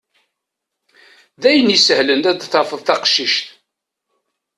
Dayen isehlen ad tafeḍ taqcict.